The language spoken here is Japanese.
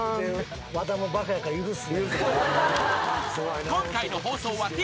和田もバカやから許す。